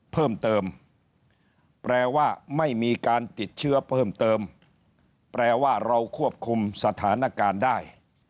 เพิ่มเติมแปลว่าไม่มีการติดเชื้อเพิ่มเติมแปลว่าเราควบคุมสถานการณ์ได้